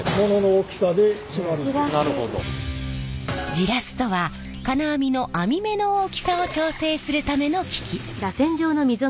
ジラスとは金網の編み目の大きさを調整するための機器。